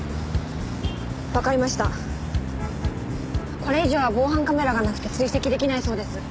これ以上は防犯カメラがなくて追跡できないそうです。